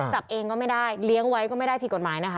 จับเองก็ไม่ได้เลี้ยงไว้ก็ไม่ได้ผิดกฎหมายนะคะ